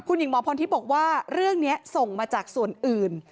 คุณหญิงหมอพรทิพย์บอกว่าเรื่องนี้ส่งมาจากส่วนอื่น